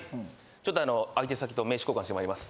ちょっとあの相手先と名刺交換してまいります。